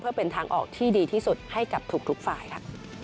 เพื่อเป็นทางออกที่ดีที่สุดให้กับทุกฝ่ายค่ะ